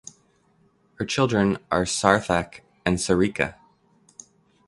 Her children are Sarthak and Sarika.